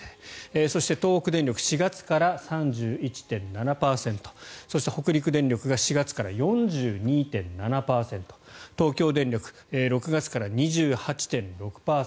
そして、東北電力４月から３１．７％そして北陸電力が４月から４２．７％東京電力、６月から２８．６％